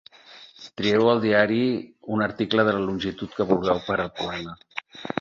Trieu al diari un article de la longitud que vulgueu per al poema.